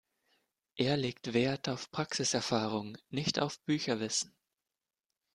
Er legt wert auf Praxiserfahrung, nicht auf Bücherwissen.